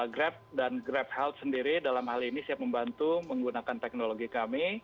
grab dan grab health sendiri dalam hal ini siap membantu menggunakan teknologi kami